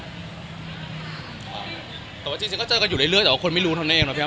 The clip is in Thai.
อ๋อใช่ค่ะแต่ว่าจริงก็เจอกันอยู่เรื่อยแต่ว่าคนไม่รู้เท่านั้นเองเนอะพี่อ้าว